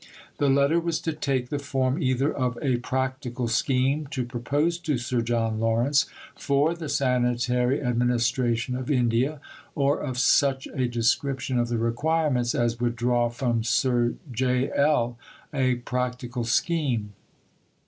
The letter was to take the form either of "a practical scheme to propose to Sir John Lawrence for the sanitary administration of India" or of "such a description of the requirements as would draw from Sir J. L. a practical scheme."